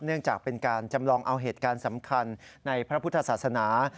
เนื่องจากเป็นการจำลองเอาเหตุการณ์สำคัญในพระพุทธศาสนา